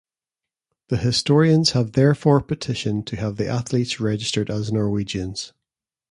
The historians have therefore petitioned to have the athletes registered as Norwegians.